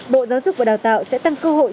bộ giáo dục và đào tạo sẽ tăng cơ hội